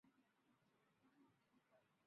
河南乡试第一名。